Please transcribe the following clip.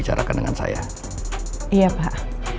jadi twitter saya juga hype right